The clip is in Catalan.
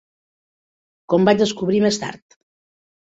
Com vaig descobrir més tard